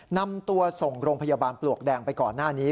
นำตัวส่งโรงพยาบาลปลวกแดงไปก่อนหน้านี้